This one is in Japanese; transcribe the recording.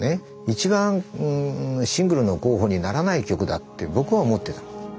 一番シングルの候補にならない曲だって僕は思ってた。